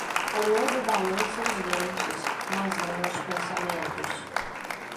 O lobo balança os dentes, mas não os pensamentos.